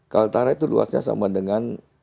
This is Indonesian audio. kaltara itu luasnya sama dengan